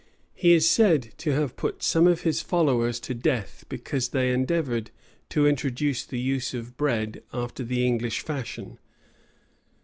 He is said to have put some of his followers to death because they endeavored to introduce the use of bread after the English fashion.